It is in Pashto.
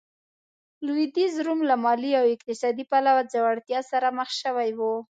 لوېدیځ روم له مالي او اقتصادي پلوه ځوړتیا سره مخ شوی و.